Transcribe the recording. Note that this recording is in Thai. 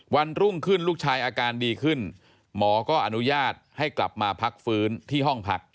วันรุ่งขึ้นลูกชายอาการดีขึ้นหมอก็อนุญาตให้กลับมาพักฟื้นที่ห้องพัก